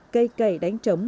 cây cẩy đánh trống